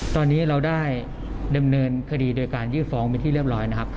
ตอนนี้เราได้ดำเนินคดีโดยการยื่นฟ้องเป็นที่เรียบร้อยนะครับ